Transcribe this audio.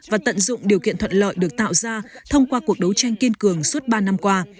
và tận dụng điều kiện thuận lợi được tạo ra thông qua cuộc đấu tranh kiên cường suốt ba năm qua